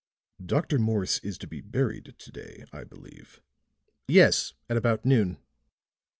"Dr. Morse is to be buried to day, I believe?" "Yes, at about noon."